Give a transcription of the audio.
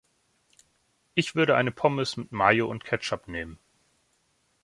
Ich würde eine Pommes mit Majo und Ketschup nehmen.